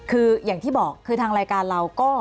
คืออย่างที่บอกคือทางรายการเราก็